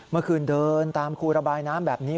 เมื่อคืนเดินตามครูระบายน้ำแบบนี้